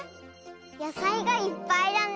やさいがいっぱいだね！